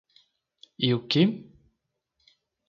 E o que?